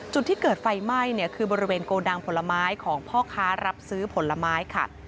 จุดที่เกิดไฟไหม้เนี่ยคือบริเวณโกดังผลไม้ของพ่อค้ารับซื้อผลไม้ค่ะ